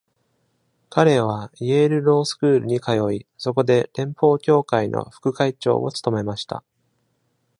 彼はイェール・ロー・スクールに通い、そこで連邦協会の副会長を務めました。